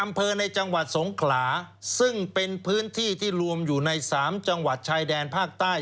อำเภอในจังหวัดสงขลาซึ่งเป็นพื้นที่ที่รวมอยู่ใน๓จังหวัดชายแดนภาคใต้